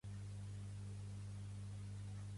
Pertany al moviment independentista el Sebas?